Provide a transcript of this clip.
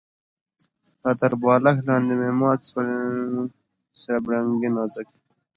ستا تر بالښت لاندې مي مات سول سره بنګړي نازکي